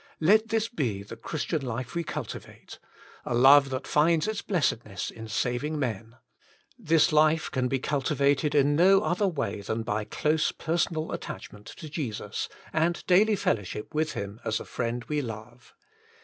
Let this be the Christian life we cultivate; a love that finds its blessed ness in saving men. This life can be cultivated in no other man than by close personal attachment to Jesus, and daily fellowship with Him as a Friend we love.